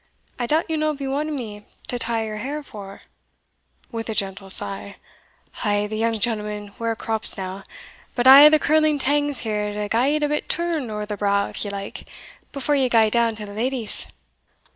I doubt ye'll no be wanting me to tie your hair, for" (with a gentle sigh) "a' the young gentlemen wear crops now; but I hae the curling tangs here to gie it a bit turn ower the brow, if ye like, before ye gae down to the leddies."